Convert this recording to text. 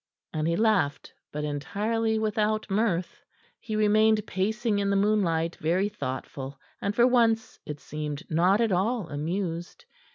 And he laughed, but entirely without mirth. He remained pacing in the moonlight, very thoughtful, and, for once, it seemed, not at all amused.